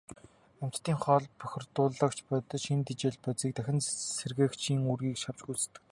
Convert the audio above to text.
Амьтдын хоол, бохирдуулагч бодис, шим тэжээлт бодисыг дахин сэргээгчийн үүргийг шавж гүйцэтгэдэг.